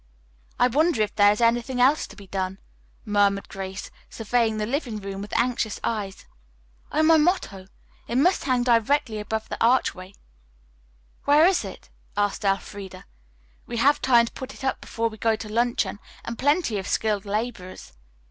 "I wonder if there is anything else to be done," murmured Grace, surveying the living room with anxious eyes. "Oh, my motto. It must hang directly above the archway." "Where is it?" asked Elfreda. "We have time to put it up before we go to luncheon, and plenty of skilled laborers."